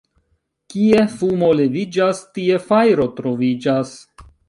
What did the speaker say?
Kie fumo leviĝas, tie fajro troviĝas.